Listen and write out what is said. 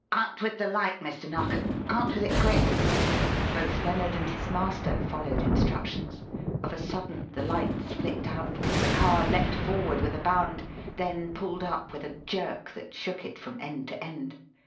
Out with the light, Mr. Narkom out with it quick!" Both Lennard and his master followed instructions. Of a sudden the lights flicked out, the car leapt forward with a bound, then pulled up with a jerk that shook it from end to end.